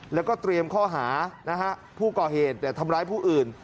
แล้วก็เตรียมข้อหานะฮะผู้ก่อเหตุทำร้ายผู้อื่น